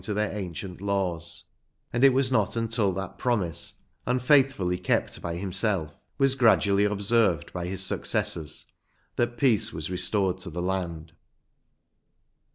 to their ancient laws; and it was not until that promise, unfaith fully kept by himself, was gradually observed by his successors, that peace was restored to the land.